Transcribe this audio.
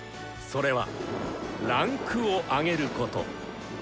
それは「位階を上げる」こと。